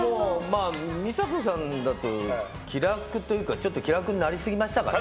美佐子さんだと気楽というかちょっと気楽になりすぎましたかね。